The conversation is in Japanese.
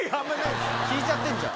聞いちゃってんじゃん。